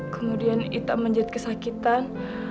kemudian ita menjerit kesakitan